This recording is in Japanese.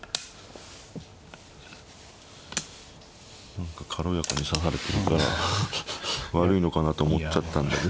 何か軽やかに指されてるから悪いのかなと思っちゃったんでね。